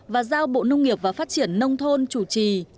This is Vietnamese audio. và giao bộ nông nghiệp và phát triển nông thôn chủ trì